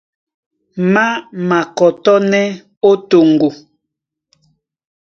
Má makɔtɔ́nɛ́ ó toŋgo.